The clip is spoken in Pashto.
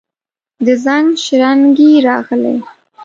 د زنګ شرنګی راغلي